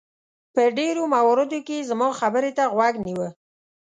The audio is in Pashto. په ډېرو مواردو کې یې زما خبرې ته غوږ نیوه.